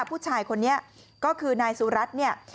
ผู้ชายคนนี้ก็คือนายสุรัส